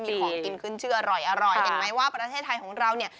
มีของกินขึ้นชื่ออร่อยเห็นไหมว่าประเทศไทยของเราเนี่ย